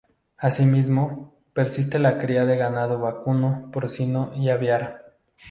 Asimismo, persiste la cría de ganado vacuno, porcino y aviar.